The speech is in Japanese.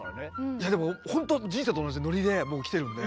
いやでもほんと人生と同じでノリでもうきてるんで。